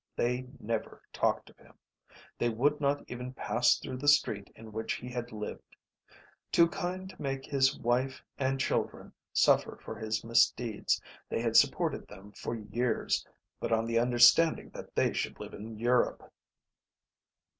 They never talked of him. They would not even pass through the street in which he had lived. Too kind to make his wife and children suffer for his misdeeds, they had supported them for years, but on the understanding that they should live in Europe.